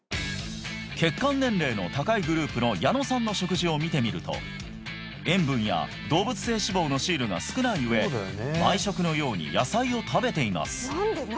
血管年齢の高いグループの矢野さんの食事を見てみると塩分や動物性脂肪のシールが少ない上毎食のように野菜を食べています